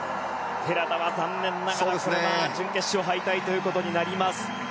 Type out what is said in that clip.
寺田は残念ながら準決勝敗退となります。